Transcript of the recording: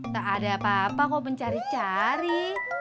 gak ada apa apa kau mencari cari